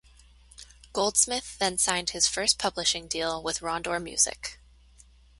Goldsmith then signed his first publishing deal with Rondor Music.